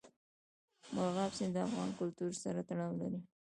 مورغاب سیند د افغان کلتور سره تړاو لري.